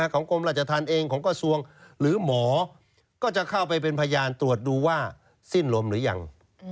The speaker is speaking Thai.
กรมราชธรรมเองของกระทรวงหรือหมอก็จะเข้าไปเป็นพยานตรวจดูว่าสิ้นลมหรือยัง